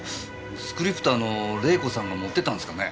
スクリプターの玲子さんが持ってったんですかね？